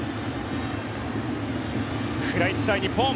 食らいつきたい日本。